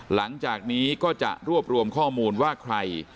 หลังจากนี้ก็จะรวบรวมข้อมูลว่าใคร